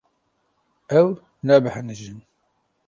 Ew nebêhnijîn.